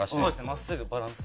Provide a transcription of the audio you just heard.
真っすぐバランス。